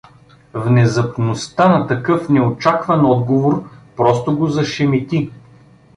Внезапността на такъв неочакван отговор просто го зашемети.